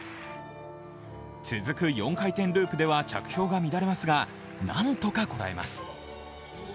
続く４回転ループでは着氷が乱れますが、何とかこらえます。